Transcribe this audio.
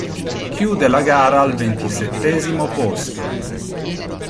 Chiude la gara al ventisettesimo posto.